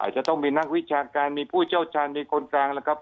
อาจจะต้องมีนักวิชาการมีผู้เจ้าชาญมีคนสร้างนะครับ